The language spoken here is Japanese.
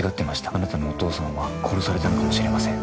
「あなたのお父さんは殺されたのかもしれません」